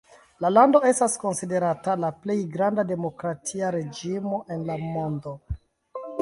La lando estas konsiderata la plej granda demokratia reĝimo en la mondo.